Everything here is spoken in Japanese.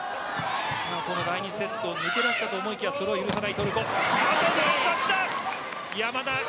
第２セット、抜け出したかと思いきやそれを許さないトルコ。